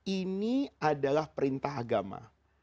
ini adalah perintah agama